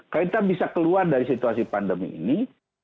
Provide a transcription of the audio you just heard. kita bisa keluar dari situasi pandemi ini